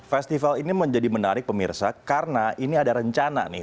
festival ini menjadi menarik pemirsa karena ini ada rencana nih